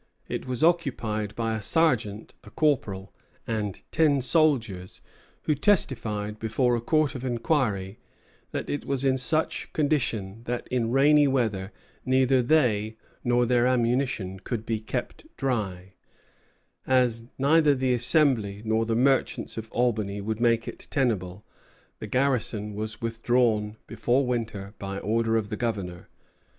It was occupied by a sergeant, a corporal, and ten soldiers, who testified before a court of inquiry that it was in such condition that in rainy weather neither they nor their ammunition could be kept dry. As neither the Assembly nor the merchants of Albany would make it tenable, the garrison was withdrawn before winter by order of the Governor. [Footnote: _Examinations at a Court of Inquiry at Albany, 11 Dec.